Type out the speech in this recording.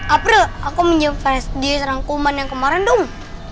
apel aku menjepret dia sarang kuman yang kemarin dong